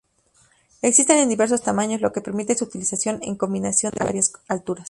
Existen en diversos tamaños, lo que permite su utilización en combinación de varias alturas.